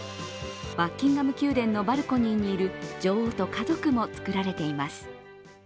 バッキンガム宮殿のバルコニーにいる女王と家族もつくられています。